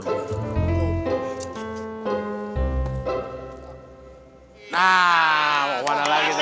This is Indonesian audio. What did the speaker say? nah mau mana lagi tuh